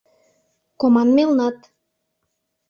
Команмелнат.